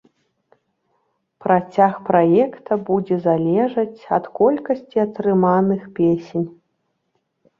Працяг праекта будзе залежаць ад колькасці атрыманых песень.